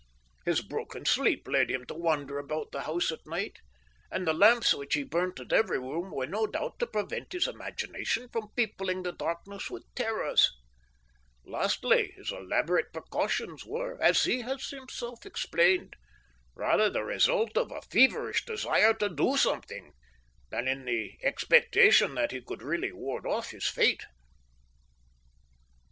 His broken sleep led him to wander about the house at night, and the lamps which he burnt in every room were no doubt to prevent his imagination from peopling the darkness with terrors. Lastly, his elaborate precautions were, as he has himself explained, rather the result of a feverish desire to do something than in the expectation that he could really ward off his fate.